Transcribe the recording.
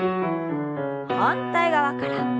反対側から。